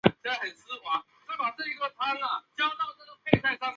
叫他起来